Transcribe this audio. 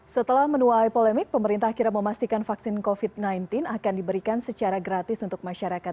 setelah menuai polemik pemerintah akhirnya memastikan vaksin covid sembilan belas akan diberikan secara gratis untuk masyarakat